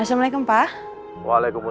assalamualaikum pak waalaikumsalam